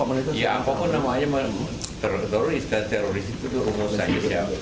apa ya apapun namanya teroris dan teroris itu rumus saya